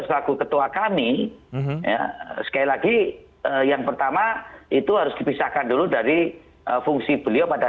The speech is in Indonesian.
selaku ketua kami ya sekali lagi yang pertama itu harus dipisahkan dulu dari fungsi beliau pada